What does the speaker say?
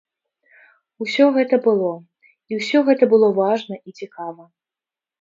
Усё гэта было, і ўсё гэта было важна і цікава.